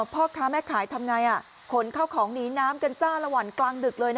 พ่อค้าแม่ขายทำไงขนเข้าของหนีน้ำกันจ้าระหว่างกลางดึกเลย